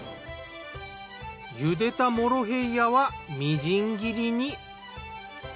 ゆでたモロヘイヤはみじん切りに。